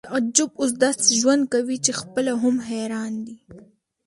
تعجب اوس داسې ژوند کوي چې خپله هم حیران دی